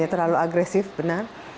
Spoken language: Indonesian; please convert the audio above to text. ya terlalu agresif benar